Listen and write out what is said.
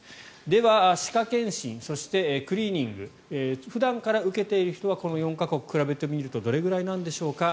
では、歯科検診そしてクリーニング普段から受けている人はこの４か国と比べてみるとどれぐらいなんでしょうか。